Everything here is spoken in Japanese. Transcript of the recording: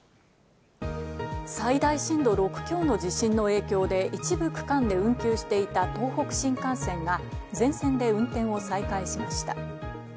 最大震度６強の地震の影響で一部区間で運休していた東北新幹線が、全線で運転を再開しました。